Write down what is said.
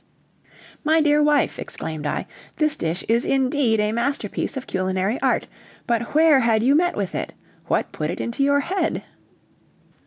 "My dear wife," exclaimed I, "this dish is indeed a masterpiece of culinary art, but where had you met with it? What put it into your head?"